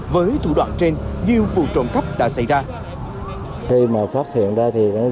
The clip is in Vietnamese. với thủ đoạn trên nhiều vụ trộm cắp đã xảy ra